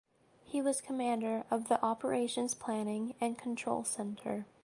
He was commander of the Operations Planning and Control Center.